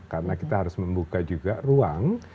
karena kita harus membuka juga ruang